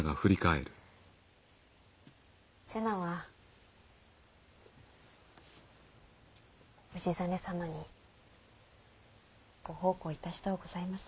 瀬名は氏真様にご奉公いたしとうございます。